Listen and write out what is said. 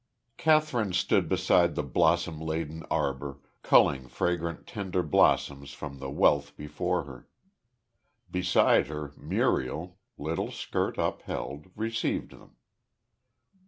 Kathryn stood beside the blossom laden arbor, culling fragrant tender blossoms from the wealth before her. Beside her, Muriel, little skirt upheld, received them.